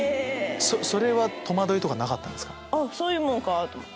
それは戸惑いとかなかったんですか？